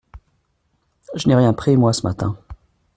Je n’ai rien pris, moi, ce matin !